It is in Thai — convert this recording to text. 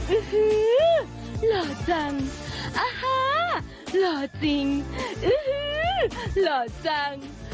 อื้อฮือหล่อจังอ่าฮ่าหล่อจริงอื้อฮือหล่อจัง